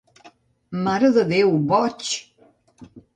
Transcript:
Mare de déu, boig!